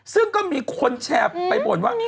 ซึ่งก็มีคนแชร์ไปบ่นว่า